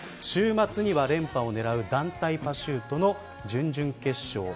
週末には連覇を狙う団体パシュートの準々決勝。